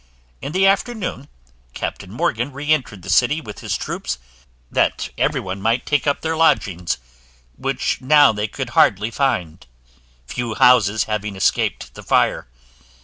In the afternoon Captain Morgan re entered the city with his troops, that every one might take up their lodgings, which now they could hardly find, few houses having escaped the fire.